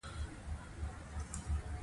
په افغانستان کې پکتیکا شتون لري.